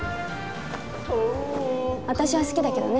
私は好きだけどね